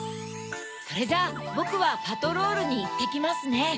それじゃあぼくはパトロールにいってきますね。